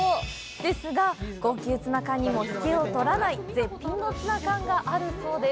ですが高級ツナ缶にも引けを取らない絶品のツナ缶があるそうです。